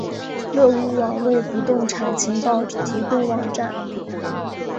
乐屋网为不动产情报提供网站。